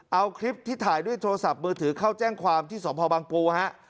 เอาคลิปที่ถ่ายด้วยโทรศัพท์มือถือเข้าแจ้งความที่สพบังปูฮะ